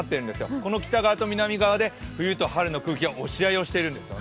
この北側と南側で冬と春の空気が押し合いをしているんです。